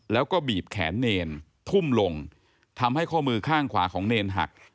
แล้วก็บีบแขนเนรทุ่มลงทำให้ข้อมือข้างขวาของเนรหัก